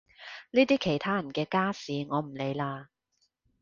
呢啲其他人嘅家事我唔理啦